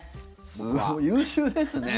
すごい優秀ですね。